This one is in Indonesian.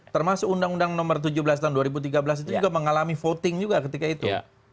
termasuk undang undang nomor tujuh belas tahun dua ribu tiga belas itu juga mengalami voting juga ketika itu